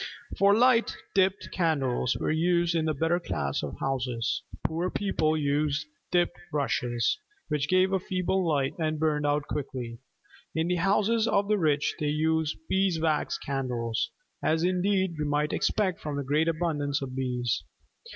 For Light, dipped candles were used in the better class of houses. Poor people used dipped rushes, which gave a feeble light and burned out quickly. In the houses of the rich they used beeswax candles, as indeed we might expect from the great abundance of bees.